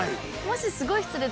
もしすごい。